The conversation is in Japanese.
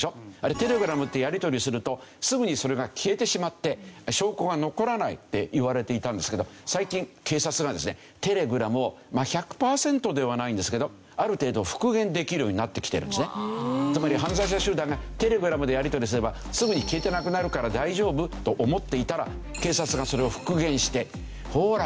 テレグラムってやりとりするとすぐにそれが消えてしまって証拠が残らないっていわれていたんですけど最近警察がですねテレグラムを１００パーセントではないんですけどつまり犯罪者集団がテレグラムでやりとりすればすぐに消えてなくなるから大丈夫と思っていたら警察がそれを復元してほら